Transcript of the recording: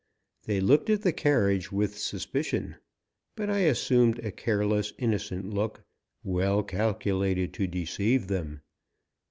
They looked at the carriage with suspicion, but I assumed a careless, innocent look, well calculated to deceive them.